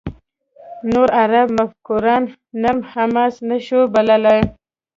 نور عرب مفکران «نرم حماس» نه شو بللای.